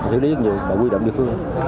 xử lý rất nhiều bộ huy động địa phương